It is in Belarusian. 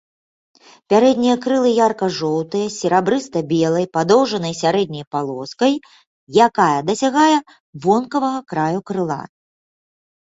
Пярэднія крылы ярка-жоўтыя, з серабрыста-белай падоўжнай сярэдняй палоскай, якая дасягае вонкавага краю крыла.